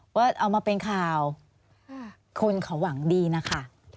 ว่าเอามาเป็นข่าวคนเขาหวังดีนะคะ